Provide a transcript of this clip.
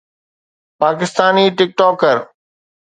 Pakistani ٽڪ ٽوڪر